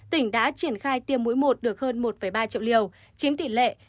tỉnh đã triển khai tiêm mũi một được hơn một ba triệu liều